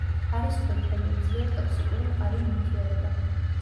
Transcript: არის ყვითელი, ძლიერ ტოქსიკური მყარი ნივთიერება.